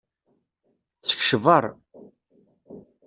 Skecber.